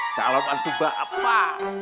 salam antubah pak